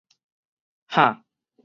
唅